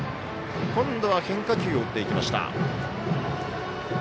今度は変化球を打っていきました。